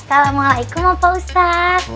assalamualaikum opa ustadz